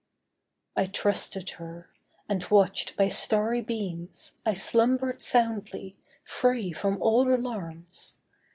I trusted her; and watched by starry beams, I slumbered soundly, free from all alarms.